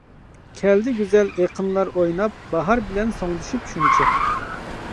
كەلدى گۈزەل ئېقىنلار ئويناپ، باھار بىلەن سوڭدىشىپ شۇنچە.